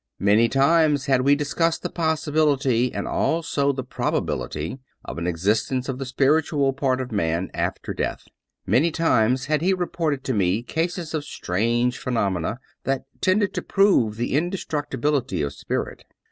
Many times had we discussed the possibility and also the probability of an existence of the spiritual part of man after death. Many times had he reported to me cases of strange phenomena that tended to prove the indestructi bility of spirit.